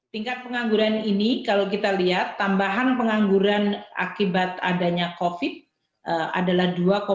tingkat pengangguran ini kalau kita lihat tambahan pengangguran akibat adanya covid adalah dua tiga